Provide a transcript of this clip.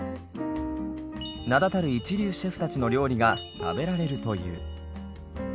名だたる一流シェフたちの料理が食べられるという。